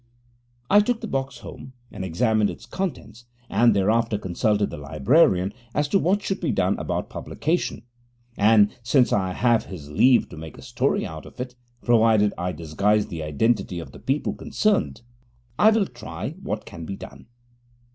I took the box home and examined its contents, and thereafter consulted the librarian as to what should be done about publication, and, since I have his leave to make a story out of it, provided I disguise the identity of the people concerned, I will try what can be done.